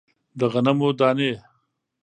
د غنمو دانې